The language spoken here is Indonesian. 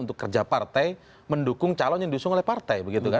untuk kerja partai mendukung calon yang diusung oleh partai